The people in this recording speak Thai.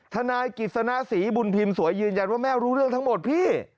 ทนายกิจสนะศรีบุญพิมพ์สวยยืนยันว่าแม่รู้เรื่องทั้งหมดพี่